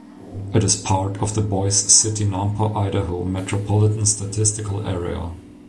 It is part of the Boise City-Nampa, Idaho Metropolitan Statistical Area.